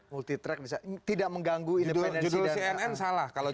multitrack di saat tidak mengganggu independensi